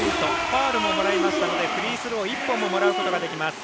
ファウルももらいましたのでフリースロー１本ももらうことができます。